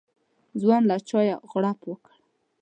ځوان له چايه غوړپ وکړ.